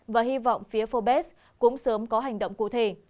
và hy vọng phía forbes cũng sớm có hành động cụ thể